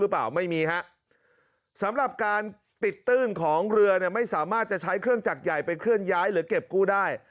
สำหรับการติดตื้นของเรือไม่สามารถจะใช้เครื่องจักรใหญ่เป็นเครื่องย้ายหรือเก็บกู้ได้